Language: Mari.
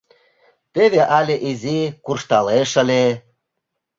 Теве але изи куржталеш ыле.